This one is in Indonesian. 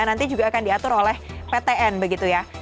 nanti juga akan diatur oleh ptn begitu ya